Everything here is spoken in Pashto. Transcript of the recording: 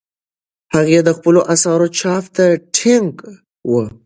هغې د خپلو اثارو چاپ ته ټینګه وه.